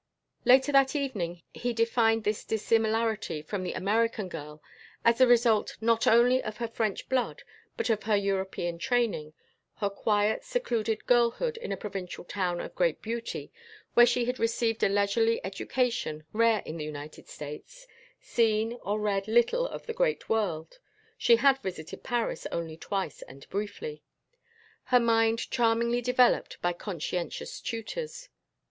Later that evening he defined this dissimilarity from the American girl as the result not only of her French blood but of her European training, her quiet secluded girlhood in a provincial town of great beauty, where she had received a leisurely education rare in the United States, seen or read little of the great world (she had visited Paris only twice and briefly), her mind charmingly developed by conscientious tutors.